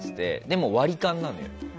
でも、割り勘なんだよ。